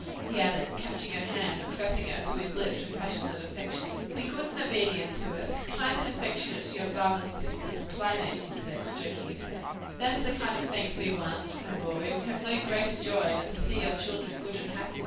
he added, catching her hand and pressing it to his lips with passionate affection. "Be good and obedient to us, kind and affectionate to your brothers, sisters and playmates," she said, stroking his hair: "that is the kind of thanks we want, my boy; we have no greater joy than to see our children good and happy."